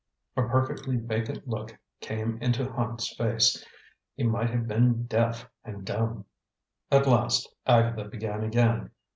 A perfectly vacant look came into Hand's face. He might have been deaf and dumb. At last Agatha began again.